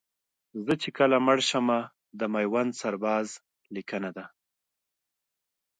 زه چې کله مړ شمه د میوند سرباز لیکنه ده